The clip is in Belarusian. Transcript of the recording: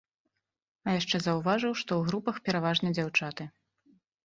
А яшчэ заўважыў, што ў групах пераважна дзяўчаты.